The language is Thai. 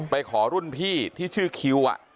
ไปขอรุ่นพี่ที่ชื่อคิว